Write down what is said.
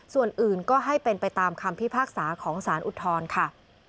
ส่วนอื่นก็ให้เป็นไปตามคำพิพากษาของสารอุทธรณ์ค่ะ